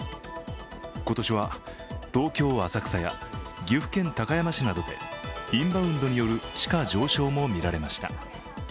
今年は東京・浅草や岐阜県高山市などでインバウンドによる地価上昇もみられました。